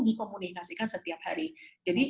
dikomunikasikan setiap hari jadi